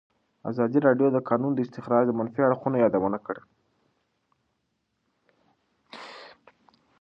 ازادي راډیو د د کانونو استخراج د منفي اړخونو یادونه کړې.